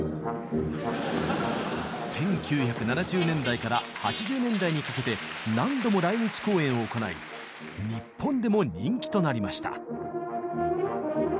１９７０年代から８０年代にかけて何度も来日公演を行い日本でも人気となりました。